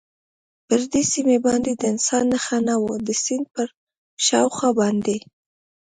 پر دې سیمه باندې د انسان نښه نه وه، د سیند پر شاوخوا باندې.